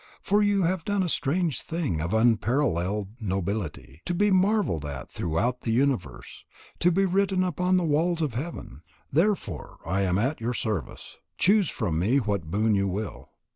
For you have done a strange thing of unparalleled nobility, to be marvelled at throughout the universe, to be written upon the walls of heaven. Therefore I am at your service. Choose from me what boon you will."